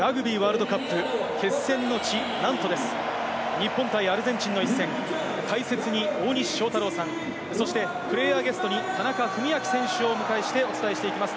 日本対アルゼンチンの一戦、解説に大西将太郎さん、プレーヤーゲストに田中史朗選手をお迎えして、お伝えしていきます。